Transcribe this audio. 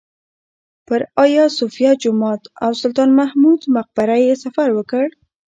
پر ایا صوفیه جومات او سلطان محمود مقبره یې سفر وکړ.